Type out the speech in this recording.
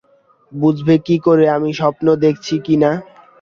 বুঝবে কী করে আমি স্বপ্ন দেখছি কি না?